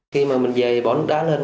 khi mà mình về bỏ đá lên